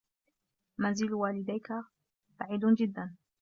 منزل والديك بعد جدّا.